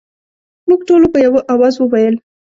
موږ ټولو په یوه اواز وویل.